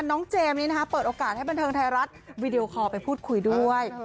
เจมส์นี้นะคะเปิดโอกาสให้บันเทิงไทยรัฐวีดีโอคอลไปพูดคุยด้วย